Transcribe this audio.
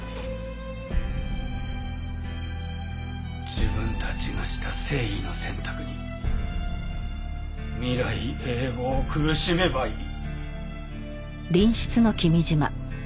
自分たちがした正義の選択に未来永劫苦しめばいい。